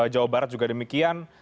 jawa barat juga demikian